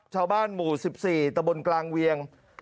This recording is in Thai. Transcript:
ชาวบ้านหมู่๑๔ตะบนกลางเวียง